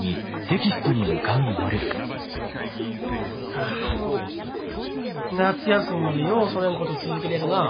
・あ夏休みまでよおそねんこと続けれるなあ。